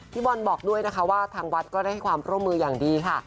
พี่บอลบอกด้วยนะคะว่าทางวัดก็ได้ให้ความร่วมมืออย่างดีค่ะ